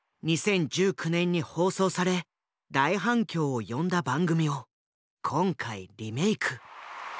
２０１９年に放送され大反響を呼んだ番組を今回リメイク。